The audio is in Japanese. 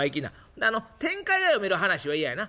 「んであの展開が読める話は嫌やな。